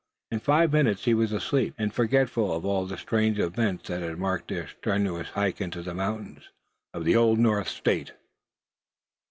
In five minutes he was asleep, and forgetful of all the strange events that had marked their strenuous hike into the mountains of the Old North State.